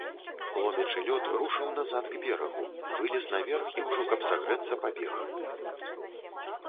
Ломячы лёд, рушыў назад к берагу, вылез наверх і ўжо, каб сагрэцца, пабег.